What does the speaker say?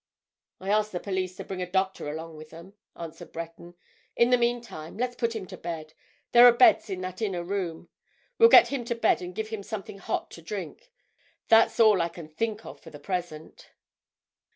"I asked the police to bring a doctor along with them," answered Breton. "In the meantime, let's put him to bed—there are beds in that inner room. We'll get him to bed and give him something hot to drink—that's all I can think of for the present."